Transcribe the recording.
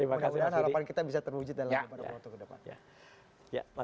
mudah mudahan harapan kita bisa terwujud dalam beberapa waktu ke depan